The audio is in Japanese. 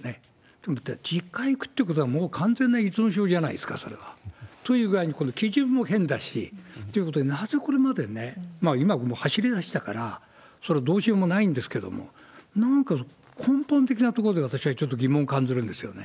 ということは、だって、１０回行くってことは、もう完全な依存症じゃないですか、それは。という具合に、今度、基準も変だしということで、なぜこれまでね、今、もう走りだしたからそれはどうしようもないんですけれども、なんか根本的なところで私はちょっと疑問感ずるんですよね。